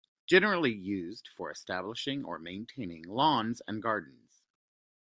Generally used for establishing or maintaining lawns and gardens.